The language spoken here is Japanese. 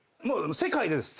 世界でです。